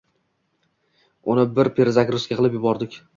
Uni bir “perezagruzka” qilib yubordik.